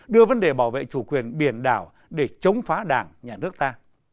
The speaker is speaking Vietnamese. đưa vấn đề bảo vệ chủ quyền biển đảo để chống phá đảng nhà nước ta